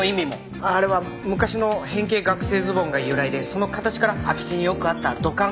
あれは昔の変形学生ズボンが由来でその形から空き地によくあった土管が。